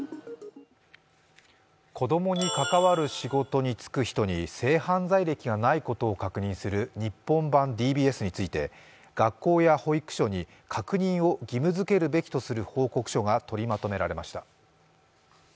子供に関わる仕事に就く人に性犯罪歴がないかを確認する日本版ＤＢＳについて学校や保育所に確認を義務づけるべきとする報告書が取りまとめられました。